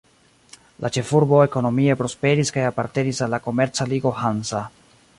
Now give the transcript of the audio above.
La ĉefurbo ekonomie prosperis kaj apartenis al la komerca ligo Hansa.